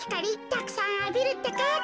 たくさんあびるってか。